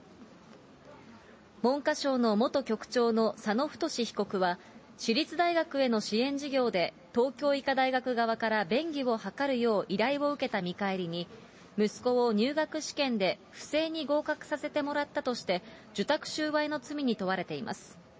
文科省の元局長の佐野太被告は、私立大学への支援事業で、東京医科大学側から便宜を図るよう依頼を受けた見返りに、息子を入学試験で不正に合格させてもらったとして、受託収賄の罪に問われています。